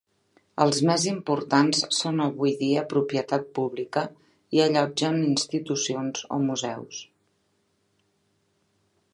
Els més importants són avui dia propietat pública i allotgen institucions o museus.